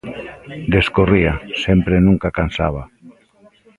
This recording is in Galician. Descorría, sempre Nunca cansaba.